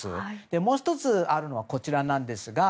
もう１つあるのは、こちらです。